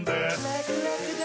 ラクラクだ！